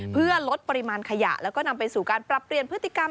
เพื่อลดปริมาณขยะแล้วก็นำไปสู่การปรับเปลี่ยนพฤติกรรม